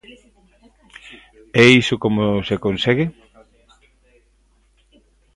E iso como se consegue?